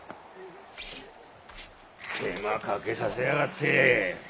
手間かけさせやがって。